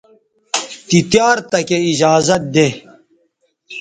تی تیار تکے ایجازت دے